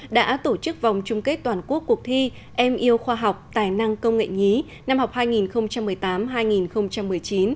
đã tổ chức vòng chung kết toàn quốc cuộc thi em yêu khoa học tài năng công nghệ nhí năm học hai nghìn một mươi tám hai nghìn một mươi chín